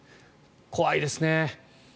怖いですね。